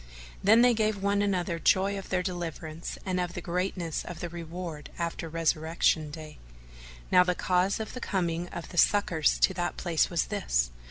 Then they gave one another joy of their deliverance and of the greatness of their reward after Resurrection Day. Now the cause of the coming of the succours to that place was this.